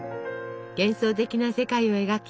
幻想的な世界を描き